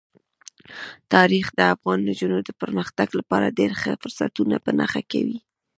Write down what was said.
تاریخ د افغان نجونو د پرمختګ لپاره ډېر ښه فرصتونه په نښه کوي.